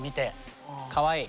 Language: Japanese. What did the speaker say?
かわいい。